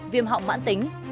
viêm họng mãn tính